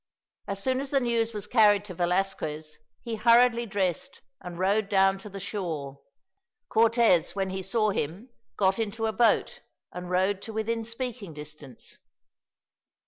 As soon as the news was carried to Velasquez, he hurriedly dressed and rowed down to the shore. Cortez, when he saw him, got into a boat and rowed to within speaking distance.